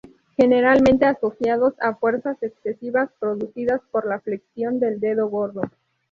Generalmente asociado a fuerzas excesivas producidas por la flexión del dedo gordo.